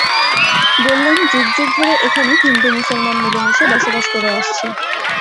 বললেন যুগ যুগ ধরে এখানে হিন্দু মুসলমান মিলে মিশে বসবাস করে আসছি।